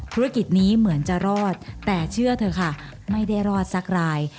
ธุรกิจนี้เหมือนจะรอดแต่เชื่อเถอะค่ะไม่ได้รอดสักราย